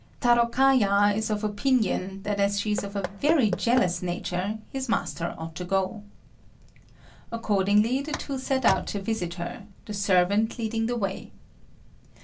Tarôkaja is of opinion that as she is of a very jealous nature, his master ought to go. Accordingly the two set out to visit her, the servant leading the way.